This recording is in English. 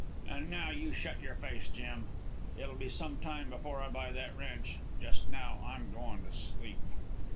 An' now you shut your face, Jim. It'll be some time before I buy that ranch. Just now I'm goin' to sleep."